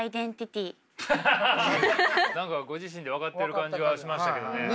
何かご自身で分かってる感じはしましたけどね。